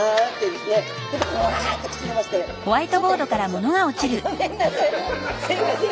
すいません！